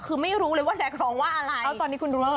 คือไม่รู้เลยว่าแน็คหลองว่าอะไร